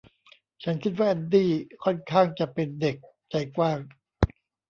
ฉันคิดว่าแอนดี้ค่อนข้างจะเป็นเด็กใจกว้าง